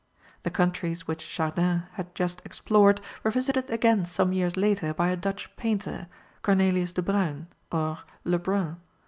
The countries which Chardin had just explored were visited again some years later by a Dutch painter, Cornelius de Bruyn, or Le Brun.